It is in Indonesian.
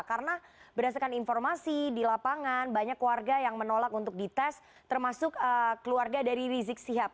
karena berdasarkan informasi di lapangan banyak warga yang menolak untuk dites termasuk keluarga dari rizik sihab